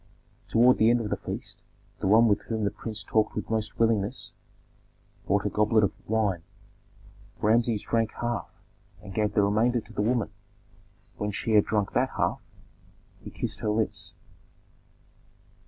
Toward the end of the feast the one with whom the prince talked with most willingness brought a goblet of wine. Rameses drank half, and gave the remainder to the woman; when she had drunk that half, he kissed her lips.